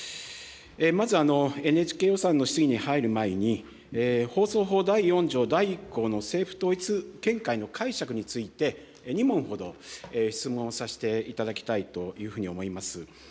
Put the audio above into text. まず、ＮＨＫ予算の質疑に入る前に、放送法第４条第１項の政府統一見解の解釈について、２問ほど質問させていただきたいというふうに思います。